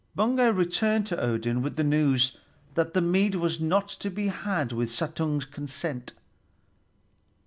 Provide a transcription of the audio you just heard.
Baugi returned to Odin with the news that the mead was not to be had with Suttung's consent.